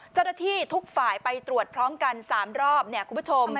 ๒เจอแต่ที่ทุกฝ่ายไปตรวจพร้อมกัน๓รอบเนี่ยคุณผู้ชม